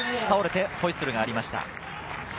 倒れてホイッスルがありました。